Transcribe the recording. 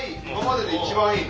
一番いい。